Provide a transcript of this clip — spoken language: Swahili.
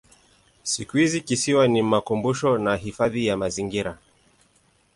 Siku hizi kisiwa ni makumbusho na hifadhi ya mazingira.